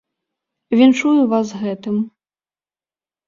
Віншую вас з гэтым!